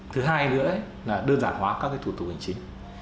thứ hai nữa là đơn giản hóa các thủ tục hành chính